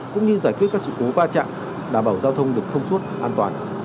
cũng như giải quyết các sự cố va chạm đảm bảo giao thông được thông suốt an toàn